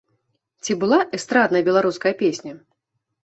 Ці была эстрадная беларуская песня?